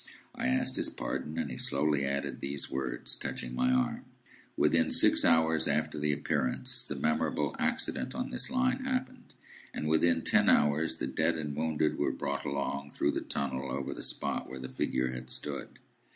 I asked his pardon, and he slowly added these words, touching my arm,— "Within six hours after the Appearance, the memorable accident on this Line happened, and within ten hours the dead and wounded were brought along through the tunnel over the spot where the figure had stood."